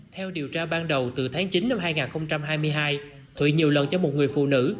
theo điều tra ban đầu từ tháng chín năm hai nghìn hai mươi hai thụy nhiều lần cho một người phụ nữ